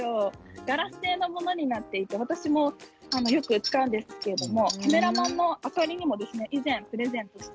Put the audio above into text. ガラス製のものになっていて私もよく使うんですけれどカメラマンのアカリにも以前、プレゼントして。